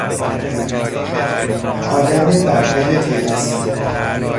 آدم بدقلقی است.